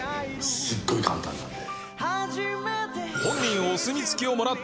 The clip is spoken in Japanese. すっごい簡単なんで。